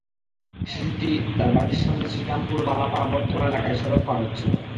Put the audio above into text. শিশুটি তার বাড়ির সামনে শ্রীরামপুর বালাপাড়া বটতলা এলাকায় সড়ক পার হচ্ছিল।